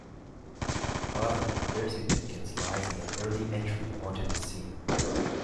However, their significance lies in their early entry onto the scene.